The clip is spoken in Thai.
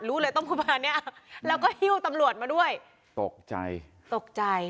รู้เลยต้องคุยมาเนี่ยแล้วก็ฮิวตำรวจมาด้วยตกใจตกใจ